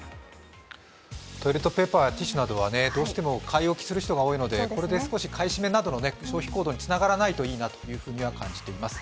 トイレットペーパー、ティッシュなどはどうしても買い置きする人が多いので、買い占めなどの消費行動につながらないといいなと感じています。